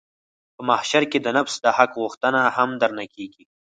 په محشر کښې د نفس د حق پوښتنه هم درنه کېږي.